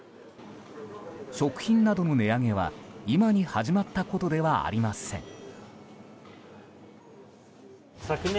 食品などの値上げは今に始まったことではありません。